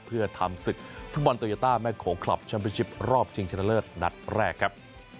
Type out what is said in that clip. เพื่อทำศึกฟุตบอลโตโยต้าแม่โขงคลับแชมเป็นชิปรอบชิงชนะเลิศนัดแรกครับ